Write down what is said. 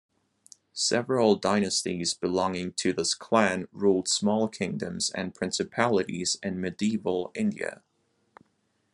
Several dynasties belonging to this clan ruled small kingdoms and principalities in medieval India.